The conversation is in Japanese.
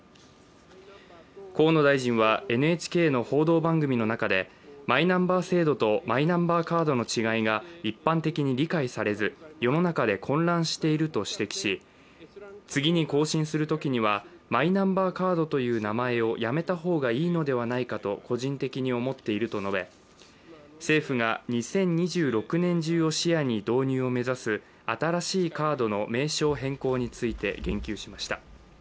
河野大臣はＮＨＫの報道番組の中で、マイナンバー制度とマイナンバーカードの違いが一般的に理解されず、世の中で混乱していると指摘し、次に更新するときには、マイナンバーカードという名前をやめた方がいいのではないかと個人的に思っていると述べ、政府が２０２６年中を視野に導入を目指す新しいカードの名称変更について言及しました。